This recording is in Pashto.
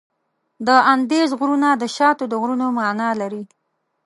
د اندیز غرونه د شاتو د غرونو معنا لري.